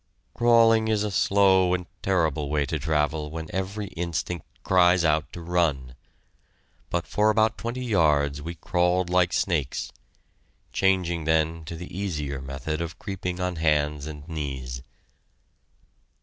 Crawling is a slow and terrible way to travel when every instinct cries out to run. But for about twenty yards we crawled like snakes changing then to the easier method of creeping on hands and knees.